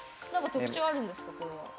特徴あるんですか？